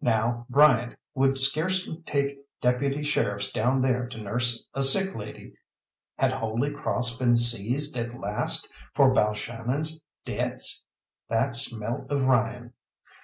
Now Bryant would scarcely take deputy sheriffs down there to nurse a sick lady. Had Holy Cross been seized at last for Balshannon's debts? That smelt of Ryan.